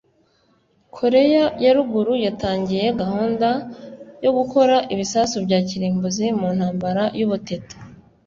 Koreya ya Ruguru yatangiye gahunda yo gukora ibisasu bya kirimbuzi mu ntambara y’Ubutita